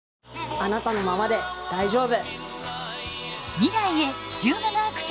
あなたのままで大丈夫。